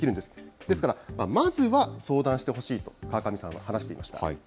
ですからまずは相談してほしいと、川上さんは話していました。